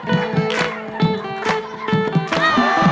โอ้โฮ